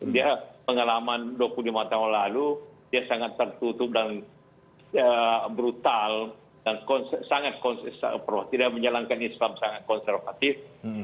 dia pengalaman dua puluh lima tahun lalu dia sangat tertutup dan brutal dan sangat konservatif